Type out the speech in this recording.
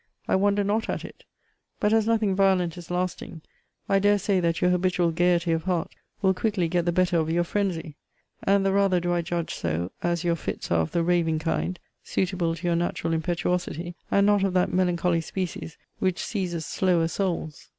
I wonder not at it. But as nothing violent is lasting, I dare say that your habitual gaiety of heart will quickly get the better of your phrensy; and the rather do I judge so, as your fits are of the raving kind, (suitable to your natural impetuosity,) and not of that melancholy species which seizes slower souls.